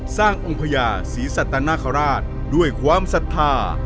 สร้างองค์พญาศรีสัตนคราชด้วยความศรัทธา